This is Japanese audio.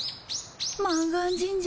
満願神社